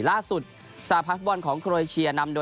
ล่าสุดสหพันธ์ฟุตบอลของโครเอเชียนำโดย